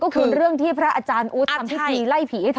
ก็คือเรื่องที่พระอาจารย์อู๊ดทำพิธีไล่ผีให้เธอ